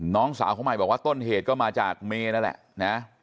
น้องสาวของใหม่บอกว่าต้นเหตุก็มาจากเมย์นั่นแหละนะ